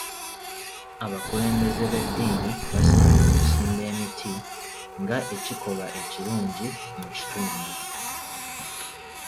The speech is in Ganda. Abakulembeze b'edddiini baasembye okusimba emiti nga ekikolwa ekirungi mu kitundu.